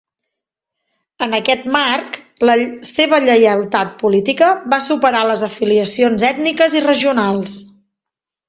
En aquest marc, la seva lleialtat política va superar les afiliacions ètniques i regionals.